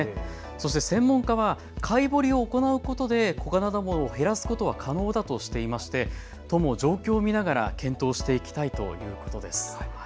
そして専門家は、かいぼりを行うことでコカナダモを減らすことは可能だとしていまして、都も状況を見ながら検討していきたいということです。